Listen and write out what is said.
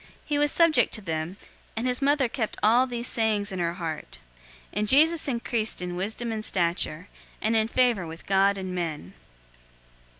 He was subject to them, and his mother kept all these sayings in her heart. 002:052 And Jesus increased in wisdom and stature, and in favor with God and men.